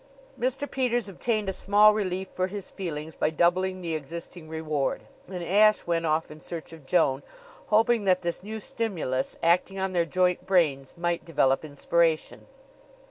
Mr. Peters obtained a small relief for his feelings by doubling the existing reward, and Ashe went off in search of Joan, hoping that this new stimulus, acting on their joint brains, might develop inspiration.